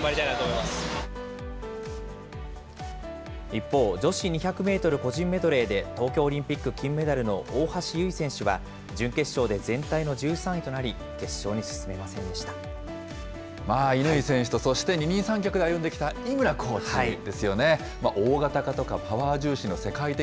一方、女子２００メートル個人メドレーで東京オリンピック金メダルの大橋悠依選手は、準決勝で全体の１３位となり、決勝に進乾選手とそして二人三脚で歩んできた井村コーチですよね。